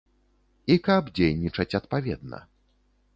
І каб дзейнічаць адпаведна.